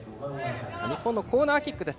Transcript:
日本のコーナーキックです。